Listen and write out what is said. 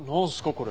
これ。